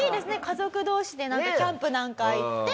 家族同士でキャンプなんか行って。